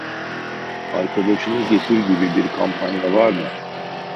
Arkadaşını getir gibi bir kampanya var mı